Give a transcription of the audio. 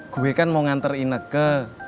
gue kan mau nganter inek ke